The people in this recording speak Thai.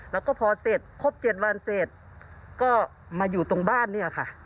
แล้วก็พอเสร็จครบ๗วันเสร็จก็มาอยู่ตรงบ้านเนี่ยค่ะ